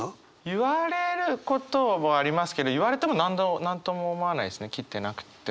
言われることもありますけど言われても何とも思わないですね切ってなくっても。